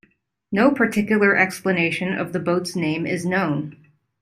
No particular explanation of the boat's name is known.